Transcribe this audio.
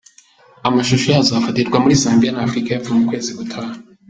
Amashusho yayo azafatirwa muri Zambia na Afurika y’Epfo mu Kwezi gutaha.